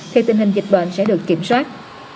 thì tình hình dịch bệnh sẽ được kiểm soát